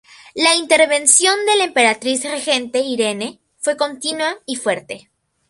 La intervención de la emperatriz regente Irene fue continua y fuerte.